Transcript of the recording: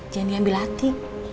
jangan diambil hati